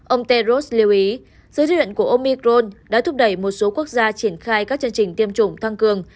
ông tedros lưu ý sự diễn đoạn của omicron đã thúc đẩy một số quốc gia triển khai các chương trình tiêm chủng tăng cường